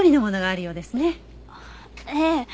ええ。